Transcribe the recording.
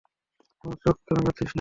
আমায় চোখ রাঙাচ্ছিস নাকি?